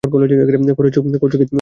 করেছ কী তুমি?